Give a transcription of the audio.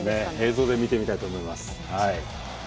映像で見てみたいと思います。